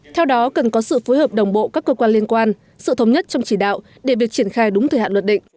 theo đó cần có sự phối hợp đồng bộ các cơ quan liên quan sự thống nhất trong chỉ đạo để việc triển khai đúng thời hạn luật định